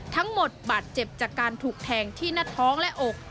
ทั้งหมดบาดเจ็บจากการถูกแทงที่หน้าท้องและอก